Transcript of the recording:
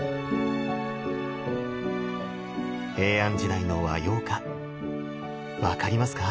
平安時代の和様化分かりますか？